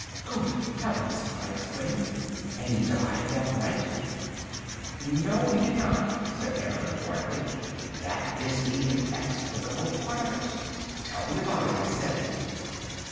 "Good heavens!" I exclaimed, "and he died that night?" "No, he did not," said Annerly quietly, "that is the inexplicable part of it." "Tell me about it," I said.